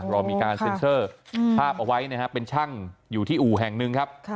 เรามีการเซ็นเซอร์ภาพเอาไว้นะครับเป็นช่างอยู่ที่อู่แห่งหนึ่งครับ